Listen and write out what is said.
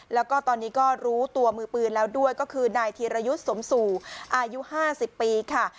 แล้วก็ตอนนี้ก็รู้ตัวมือปืนแล้วด้วยก็คือนายธีรยุทธ์สมสู่อายุ๕๐ปีค่ะ